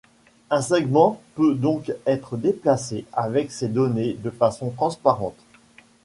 Un segment peut donc être déplacé avec ses données de façon transparente.